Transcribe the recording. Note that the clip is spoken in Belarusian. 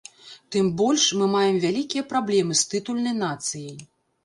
Тым больш, мы маем вялікія праблема з тытульнай нацыяй.